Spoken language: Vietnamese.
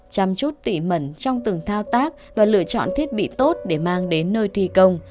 chăm chút tỉ mẩn trong từng thao tác và lựa chọn thiết bị tốt để mang đến nơi thi công